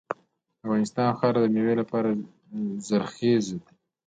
د افغانستان خاوره د میوو لپاره زرخیزه ده.